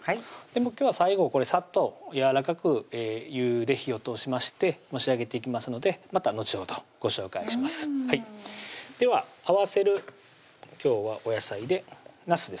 今日は最後さっとやわらかく湯で火を通しまして仕上げていきますのでまた後ほどご紹介しますでは合わせるお野菜でなすですね